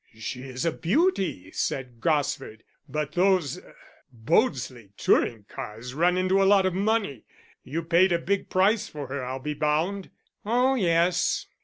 "She's a beauty," said Gosford. "But those Bodesly touring cars run into a lot of money. You paid a big price for her, I'll be bound." "Oh, yes.